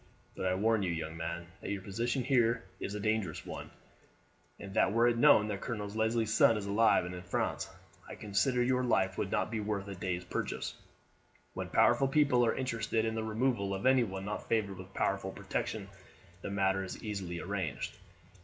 But I warn you, young man, that your position here is a dangerous one, and that were it known that Colonel Leslie's son is alive and in France, I consider your life would not be worth a day's purchase. When powerful people are interested in the removal of anyone not favoured with powerful protection the matter is easily arranged.